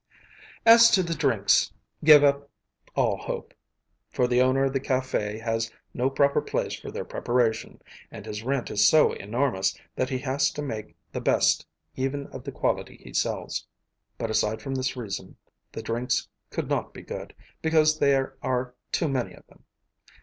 As to the drinks, give up all hope; for the owner of the café has no proper place for their preparation, and his rent is so enormous that he has to make the best even of the quality he sells. But aside from this reason, the drinks could not be good, because there are too many of them.